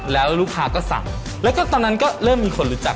แล้วลูกค้าก็สั่งแล้วก็ตอนนั้นก็เริ่มมีคนรู้จัก